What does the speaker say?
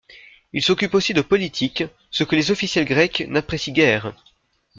Il s'occupe aussi de politique, ce que les officiels grecs n'apprécient guère.